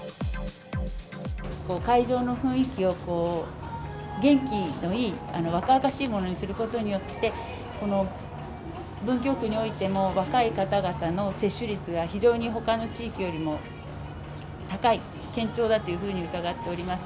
会場の雰囲気を、元気のいい、若々しいものにすることによって、文京区においても若い方々の接種率が、非常にほかの地域よりも高い、堅調だというふうに伺っております。